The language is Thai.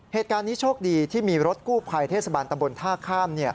เหตุการณ์นี้โชคดีที่มีรถกู้ภัยเทศบาลตำบลท่าข้าม